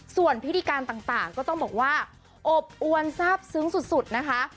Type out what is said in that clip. ส่วนพิธีการต่างก็ต้องบอกว่าอบอวนทราบซึ้งสุดนะคะ